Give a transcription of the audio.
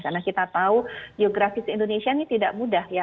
karena kita tahu geografis indonesia ini tidak mudah ya